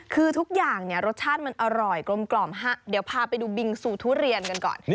คือทุกอย่างเนี่ยรสชาติมันอร่อยกลมเดี๋ยวพาไปดูบิงซูทุเรียนกันก่อน